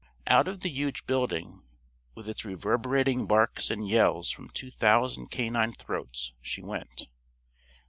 Out of the huge building, with its reverberating barks and yells from two thousand canine throats, she went.